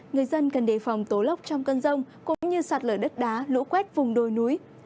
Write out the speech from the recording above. người dân cần đề phòng tố lốc trong cơn rông cũng như sạt lở đất đá lũ quét vùng đồi núi